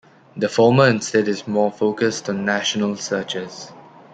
The former instead is more focused on national searches.